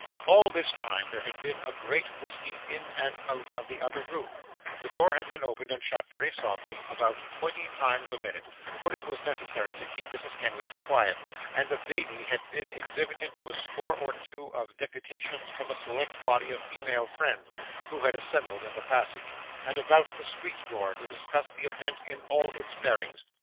All this time there had been a great whisking in and out of the other room; the door had been opened and shut very softly about twenty times a minute (for it was necessary to keep Mrs. Kenwigs quiet); and the baby had been exhibited to a score or two of deputations from a select body of female friends, who had assembled in the passage, and about the street door, to discuss the event in all its bearings.